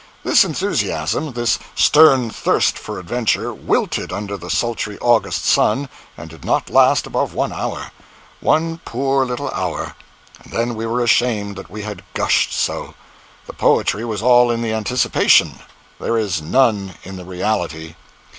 This enthusiasm, this stern thirst for adventure, wilted under the sultry August sun and did not last above one hour. One poor little hour—and then we were ashamed that we had "gushed" so. The poetry was all in the anticipation—there is none in the reality.